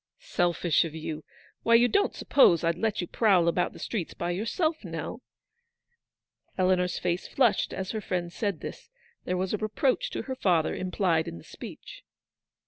" Selfish of you ! \Vhy, you don't suppose 106 eleanoe/s victory. Td let you prowl about the streets by yourself, Nell?" Eleanor's face flushed as her friend said this : there was a reproach to her father implied in the speech.